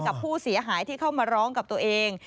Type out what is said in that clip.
กับผู้เสียหายที่เข้ามาร้องกับตัวเอง